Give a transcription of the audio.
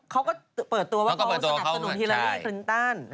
เขาก็เปิดตัวว่าเขาสนับสนุนฮิลาลี่คลินตัน